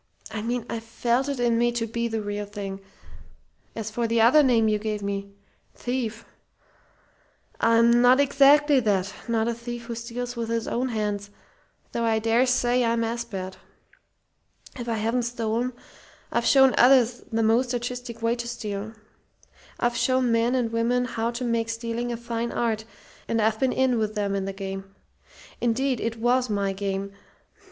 I mean I felt it in me to be the real thing. As for the other name you gave me thief I'm not exactly that not a thief who steals with his own hands, though I dare say I'm as bad. "If I haven't stolen, I've shown others the most artistic way to steal. I've shown men and women how to make stealing a fine art, and I've been in with them in the game. Indeed, it was my game.